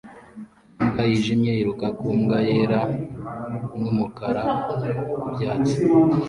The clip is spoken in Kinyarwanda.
Imbwa yijimye yiruka ku mbwa yera n'umukara ku byatsi